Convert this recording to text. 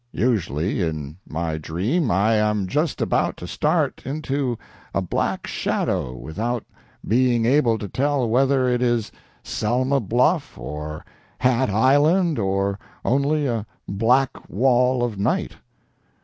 Usually in my dream I am just about to start into a black shadow without being able to tell whether it is Selma Bluff, or Hat Island, or only a black wall of night.